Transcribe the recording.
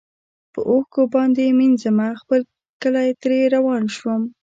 په اوښکو باندي مینځمه خپل کلی ترې روان شم